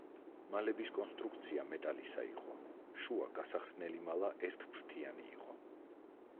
მალების კონსტრუქცია მეტალისა იყო, შუა გასახსნელი მალა ერთფრთიანი იყო.